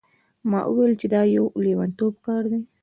ما وویل چې دا د یو لیونتوب کار دی.